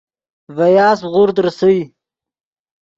ڤے یاسپ غورد ریسئے